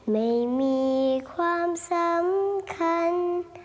ไม่มีความสำคัญ